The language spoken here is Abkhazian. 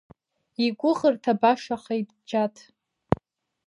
Игәыӷырҭа башахеит Џьаҭ.